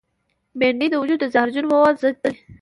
بېنډۍ د وجود د زهرجنو موادو ضد ده